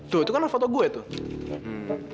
tuh itu kan foto gue tuh